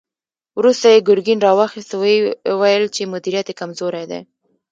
وروسته يې ګرګين را واخيست، ويې ويل چې مديريت يې کمزوری دی.